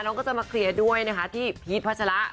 ก็จะมาเคลียร์ด้วยนะคะที่พีชพัชระ